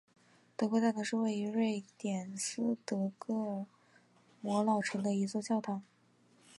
德国教堂是位于瑞典斯德哥尔摩老城的一座教堂。